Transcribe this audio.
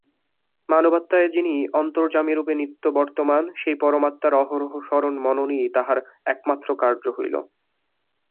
মানবাত্মায় যিনি অন্তর্যামিরূপে নিত্যবর্তমান, সেই পরমাত্মার অহরহ স্মরণ-মননই তাঁহার একমাত্র কার্য হইল।